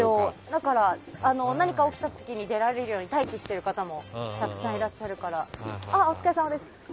だから、何か起きた時に出られるように待機している方もたくさんいらっしゃるから。